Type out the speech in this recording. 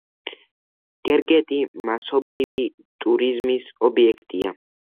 გერგეტი მასობრივი ტურიზმის ობიექტია.